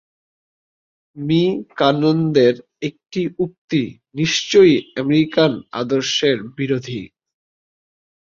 Me কানন্দের একটি উক্তি নিশ্চয়ই আমেরিকান আদর্শের বিরোধী।